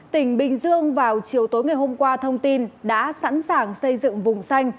tỉnh bình dương vào chiều tối ngày hôm qua thông tin đã sẵn sàng xây dựng vùng xanh